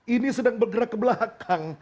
ini sedang bergerak ke belakang